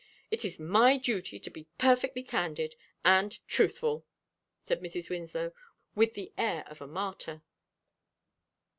It is my duty to be perfectly candid and truthful," said Mrs. Winslow with the air of a martyr.